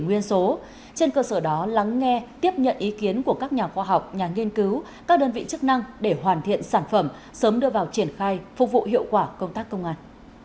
nguyên số trên cơ sở đó lắng nghe tiếp nhận ý kiến của các nhà khoa học nhà nghiên cứu các đơn vị chức năng để hoàn thiện sản phẩm sớm đưa vào triển khai phục vụ hiệu quả công tác công an